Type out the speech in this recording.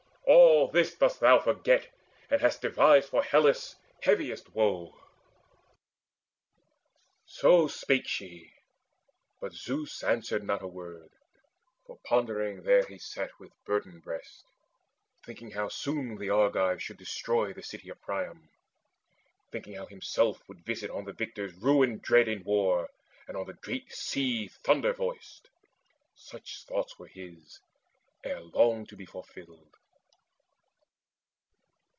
All this dost thou forget, And hast devised for Hellas heaviest woe." So spake she; but Zeus answered not a word; For pondering there he sat with burdened breast, Thinking how soon the Argives should destroy The city of Priam, thinking how himself Would visit on the victors ruin dread In war and on the great sea thunder voiced. Such thoughts were his, ere long to be fulfilled.